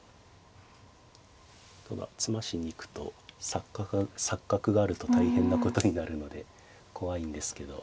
ただ詰ましに行くと錯覚があると大変なことになるので怖いんですけど。